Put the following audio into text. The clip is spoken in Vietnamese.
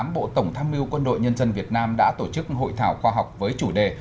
bộ tổng tham mưu quân đội nhân dân việt nam đã tổ chức hội thảo khoa học với chủ đề